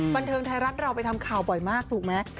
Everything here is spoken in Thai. บันเทิงไทยรัฐเราไปทำข่าวบ่อยมากถูกไหม